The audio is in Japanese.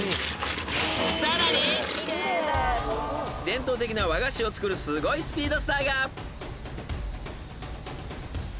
［伝統的な和菓子を作るすごいスピードスターが］